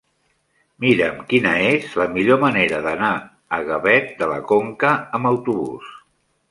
Mira'm quina és la millor manera d'anar a Gavet de la Conca amb autobús.